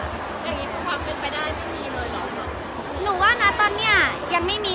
เรามีความคุณไปได้ไม่มีเลยเหรอหนูว่านะตอนเนี่ยยังไม่มี